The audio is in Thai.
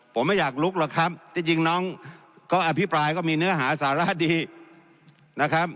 ผมไม่อยากลุกหรอกครับที่จริงน้องเขาอภิปรายก็มีเนื้อหาสาระดีนะครับ